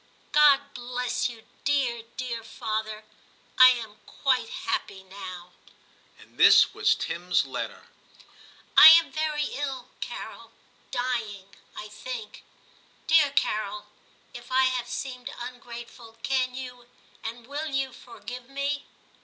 'God bless you, dear dear father. I am quite happy now.' XIII TIM 305 And this was Tim's letter :' I am very ill, Carol — dying, I think. Dear Carol, if I have seemed ungrateful, can you and will you forgive me